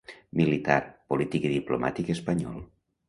Militar, polític i diplomàtic espanyol.